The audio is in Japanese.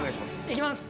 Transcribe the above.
いきます！